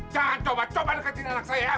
jangan coba coba deketin anak saya ya